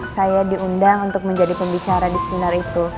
saya diundang untuk menjadi pembicara di seminar itu